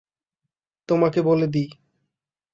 তোমাকে বলে দিই।